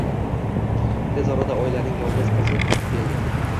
Tez orada oilaning yolg`iz qizi qaytib keldi